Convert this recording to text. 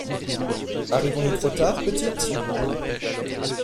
Arrivons-nous trop tard, petite ?…